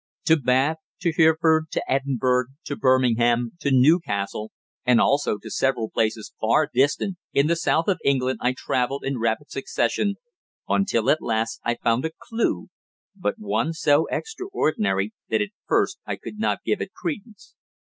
To Bath, to Hereford, to Edinburgh, to Birmingham, to Newcastle, and also to several places far distant in the South of England I travelled in rapid succession, until at last I found a clue, but one so extraordinary that at first I could not give it credence.